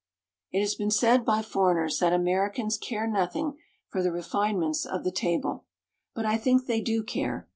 It has been said by foreigners that Americans care nothing for the refinements of the table, but I think they do care.